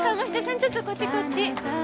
ちょっとこっちこっち！